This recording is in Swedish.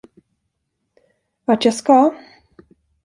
Vart jag ska?